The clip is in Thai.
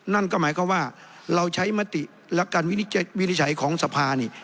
นั่นก็หมายความว่าเราใช้มติและการวินิจฉัยของสภานี่